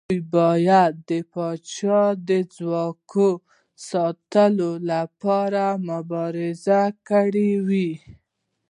دوی باید د پاچا د ځواک ساتلو لپاره مبارزه کړې وای.